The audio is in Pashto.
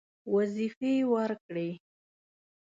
وظیفې ورکړې.